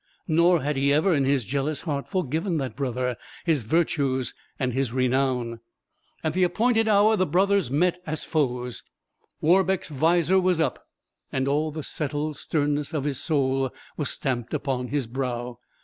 Nor had he ever in his jealous heart forgiven that brother his virtues and his renown. At the appointed hour the brothers met as foes. Warbeck's vizor was up, and all the settled sternness of his soul was stamped upon his brow.